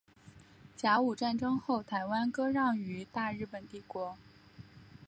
甲午战争后台湾割让予大日本帝国。